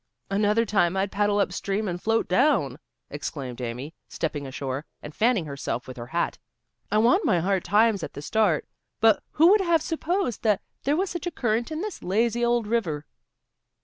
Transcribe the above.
"Another time I'd paddle up stream and float down," exclaimed Amy, stepping ashore, and fanning herself with her hat. "I want my hard times at the start. But who would have supposed that there was such a current in this lazy old river?"